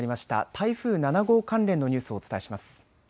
台風７号関連のニュースをお伝えします。